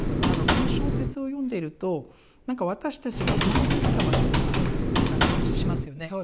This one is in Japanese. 何かこの小説を読んでいると何か私たちが生まれてきた場所でもあるという感じがしますよね。